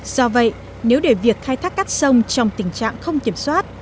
do vậy nếu để việc khai thác cát sông trong tình trạng không kiểm soát